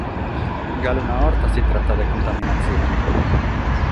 Galu una borta si tratat de contaminatzione.